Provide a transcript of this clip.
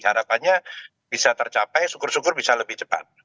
harapannya bisa tercapai syukur syukur bisa lebih cepat